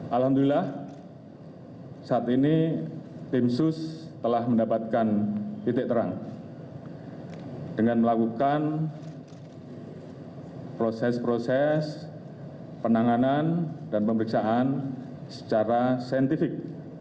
alhamdulillah saat ini tim sus telah mendapatkan titik terang dengan melakukan proses proses penanganan dan pemeriksaan secara saintifik